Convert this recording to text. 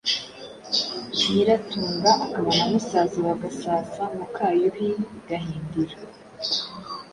Nyiratunga akaba na musaza wa Gasasa Muka Yuhi Gahindiro.